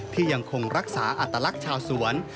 ที่ยังคงรักษาอัตลักษณ์ชาวสวน